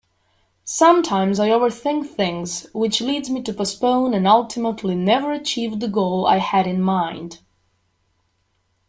Sometimes I overthink things which leads me to postpone and ultimately never achieve the goal I had in mind.